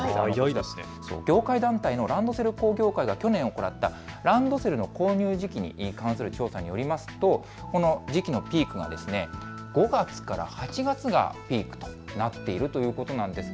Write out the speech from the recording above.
業界団体のランドセル工業会が去年、行ったランドセルの購入時期に関する調査によりますと５月から８月がピークとなっているということなんです。